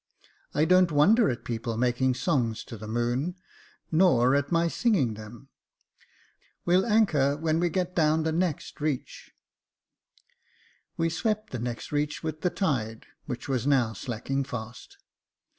I don't wonder at people making songs to the moon, nor at my singing them. We'll anchor when we get down the next reach." We swept the next reach with the tide, which was now slacking fast.